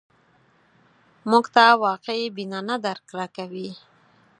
موږ ته واقع بینانه درک راکوي